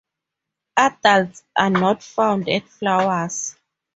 Adults are not found at flowers.